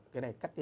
cái này cắt đi